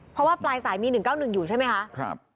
เพราะว่าปลายสายมี๑๙๑อยู่ใช่ไหมคะ